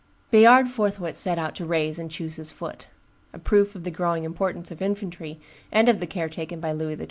Bayard forthwith set out to raise and choose his foot; a proof of the growing importance of infantry, and of the care taken by Louis XII.